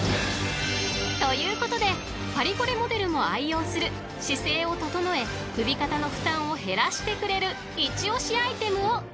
［ということでパリコレモデルも愛用する姿勢を整え首肩の負担を減らしてくれる一押しアイテムをご紹介］